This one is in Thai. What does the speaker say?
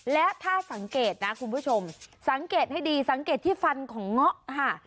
และถ้าสังเกตนะคุณผู้ชมสังเกตให้ดีสังเกตที่ฟันของเงาะค่ะ